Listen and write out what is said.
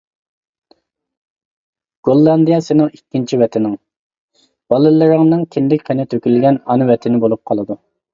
گوللاندىيە سېنىڭ ئىككىنچى ۋەتىنىڭ، بالىلىرىڭنىڭ كىندىك قېنى تۆكۈلگەن ئانا ۋەتىنى بولۇپ قالدى.